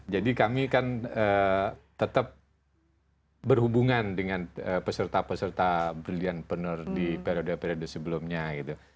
kami kan tetap berhubungan dengan peserta peserta brilliantpreneur di periode periode sebelumnya gitu